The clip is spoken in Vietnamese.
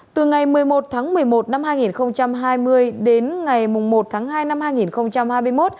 từ ngày một mươi một tháng một mươi một năm hai nghìn hai mươi đến ngày một tháng hai năm hai nghìn hai mươi một